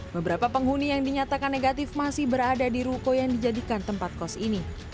beberapa penghuni yang dinyatakan negatif masih berada di ruko yang dijadikan tempat kos ini